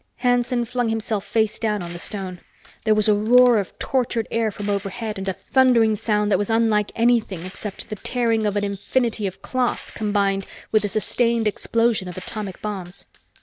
Hanson flung himself face down on the stone. There was a roar of tortured air from overhead and a thundering sound that was unlike anything except the tearing of an infinity of cloth combined with a sustained explosion of atomic bombs.